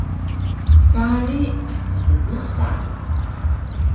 Kari emptgsa